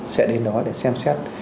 sẽ đến đó để xem xét